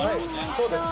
そうです。